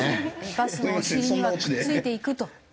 バスのお尻にはくっついていくと。